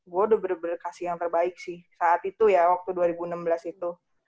gua udah berkasihan terbaik sih saat itu ya waktu dua ribu enam belas itu